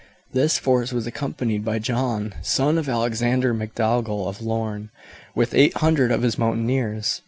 This force was accompanied by John, son of Alexander MacDougall of Lorne, with 800 of his mountaineers.